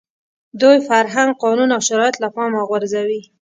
دوی فرهنګ، قانون او شرایط له پامه غورځوي.